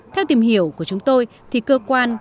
theo tìm hiểu của chúng tôi thì cơ quan làm thủ tục